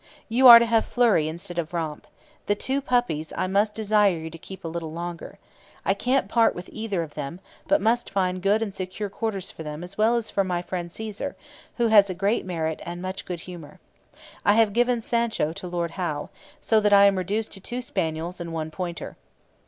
'You are to have Flurry instead of Romp. The two puppies I must desire you to keep a little longer. I can't part with either of them, but must find good and secure quarters for them as well as for my friend Caesar, who has great merit and much good humour. I have given Sancho to Lord Howe, so that I am reduced to two spaniels and one pointer.'